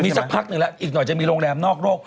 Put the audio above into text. สักพักหนึ่งแล้วอีกหน่อยจะมีโรงแรมนอกโรค